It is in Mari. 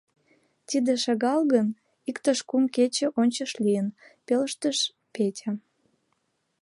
— Тиде шагал гын, иктаж кум кече ончыч лийын, — пелештыш Петя.